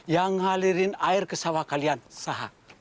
yang mengalirkan air ke sawah kalian sahak